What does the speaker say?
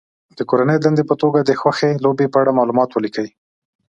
د کورنۍ دندې په توګه د خوښې لوبې په اړه معلومات ولیکي.